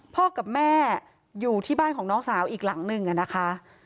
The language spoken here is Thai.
กับแม่อยู่ที่บ้านของน้องสาวอีกหลังหนึ่งนะคะ